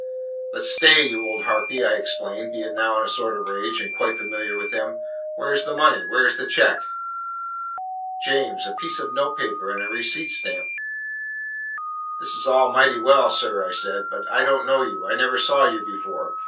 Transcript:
"But stay, you old harpy!" I exclaimed, being now in a sort of rage, and quite familiar with him. "Where is the money? Where is the check?" "James, a piece of note paper and a receipt stamp!" "This is all mighty well, sir," I said, "but I don't know you; I never saw you before.